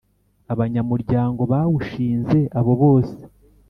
Abanyamuryango bawushinze abo bose